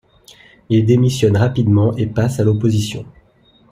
Il démissionne rapidement et passe à l'opposition.